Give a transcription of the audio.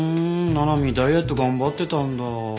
ななみーダイエット頑張ってたんだ。